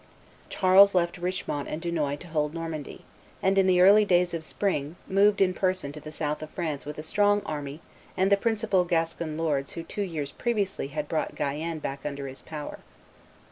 Charles left Richemont and Dunois to hold Normandy; and, in the early days of spring, moved in person to the south of France with a strong army and the principal Gascon lords who two years previously had brought Guyenne back under his power.